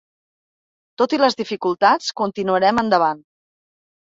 Tot i les dificultats, continuarem endavant.